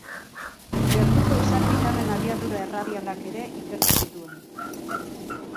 Gertuko izar bitarren abiadura erradialak ere ikertu zituen.